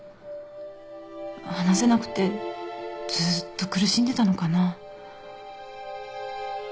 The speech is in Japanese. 話せなくてずっと苦しんでたのかな。